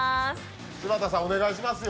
柴田さん、お願いしますよ。